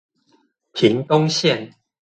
屏東線